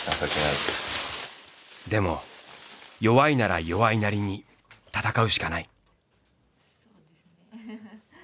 でも弱いなら弱いなりに闘うしかない。